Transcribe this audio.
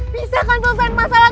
bisa kan selesai masalah